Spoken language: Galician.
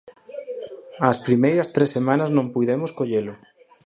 As primeiras tres semanas non puidemos collelo.